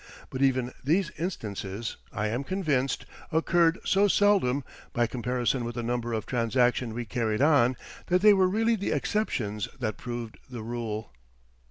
But even these instances, I am convinced, occurred so seldom, by comparison with the number of transactions we carried on, that they were really the exceptions that proved the rule.